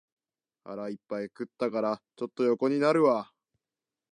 腹いっぱい食ったから、ちょっと横になるわ